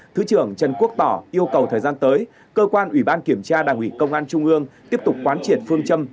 thứ trưởng trần quốc tỏ yêu cầu thời gian tới cơ quan ủy ban kiểm tra đảng ủy công an trung ương tiếp tục quán triệt phương châm